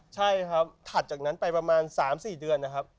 ใช่ครับถัดจากนั้นไปประมาณ๓๔เดือนนะครับ